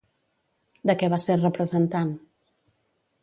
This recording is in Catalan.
De què va ser representant?